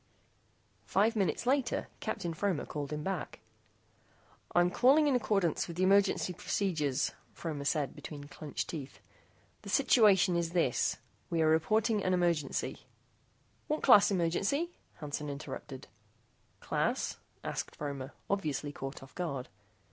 Five minutes later Captain Fromer called him back. "I am calling in accordance with emergency procedures," Fromer said between clinched teeth. "The situation is this: We are reporting an emergency " "What class emergency?" Hansen interrupted. "Class?" asked Fromer, obviously caught off guard.